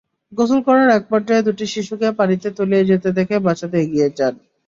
গোসল করার একপর্যায়ে দুটি শিশুকে পানিতে তলিয়ে যেতে দেখে বাঁচাতে এগিয়ে যান।